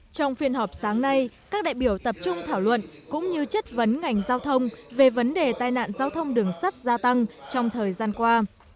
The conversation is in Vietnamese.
trong phiên họp sáng nay các đại biểu tập trung thảo luận cũng như chất vấn ngành giao thông về vấn đề tai nạn giao thông đường sắt gia tăng trong thời gian qua